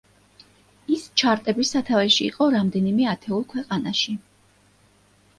ის ჩარტების სათავეში იყო რამდენიმე ათეულ ქვეყანაში.